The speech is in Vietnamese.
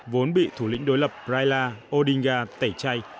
vốn bị thủ lĩnh đối lập raila